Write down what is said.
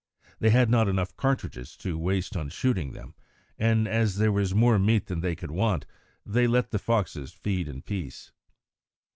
They had not enough cartridges to waste on shooting them, and as there was more meat than they would want, they let the foxes feed in peace.